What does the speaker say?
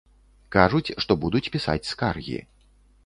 Кажуць, што будуць пісаць скаргі.